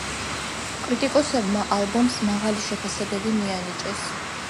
კრიტიკოსებმა ალბომს მაღალი შეფასებები მიანიჭეს.